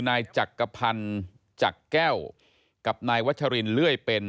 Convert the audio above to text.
นายจักรพันธ์จักรแก้วกับนายวัชรินเลื่อยเป็น